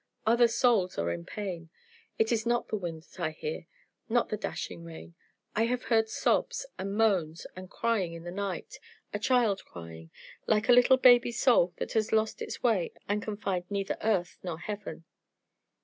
Other souls are in pain. It is not the wind that I hear not the dashing rain. I have heard sobs, and moans, and crying in the night a child crying like a little baby soul that has lost its way and can find neither earth nor heaven."